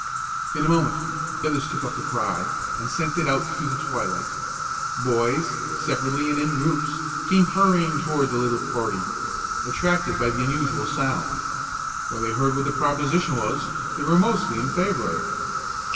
In a moment others took up the cry, and sent it out through the twilight. Boys, separately and in groups, came hurrying toward the little party, attracted by the unusual sound. When they heard what the proposition was, they were mostly in favor of it.